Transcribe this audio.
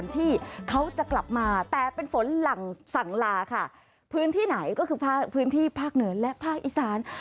ที่เขาจะกลับมาแต่เป็นฝนหลังสั่งลาค่ะพื้นที่ไหนก็คือภาคพื้นที่ภาคเหนือและภาคอีสาน